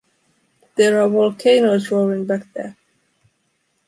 There are volcanoes roaring back there...